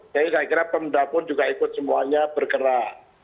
jadi saya kira pemuda pun juga ikut semuanya bergerak